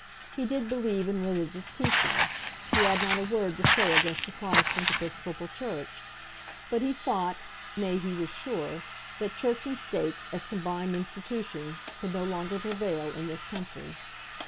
He did believe in religious teaching. He had not a word to say against a Protestant Episcopal Church. But he thought, nay he was sure, that Church and State, as combined institutions, could no longer prevail in this country.